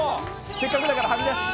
せっかくだからはみ出して。